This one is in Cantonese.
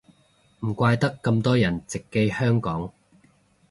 唔怪得咁多人直寄香港